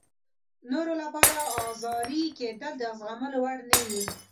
نورو لپاره ازاري کېدل د زغملو وړ نه وي.